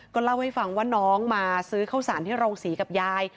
เล่าให้ฟังว่าน้องมาซื้อข้าวสารที่โรงศรีกับยาย